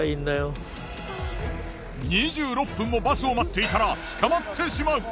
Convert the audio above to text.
２６分もバスを待っていたら捕まってしまう。